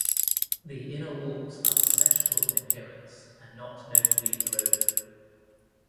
The inner walls are symmetrical in appearance and not notably eroded.